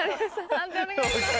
判定お願いします。